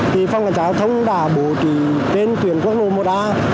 thì phòng đoàn trải thống đã bố trí trên tuyển quốc lộ một a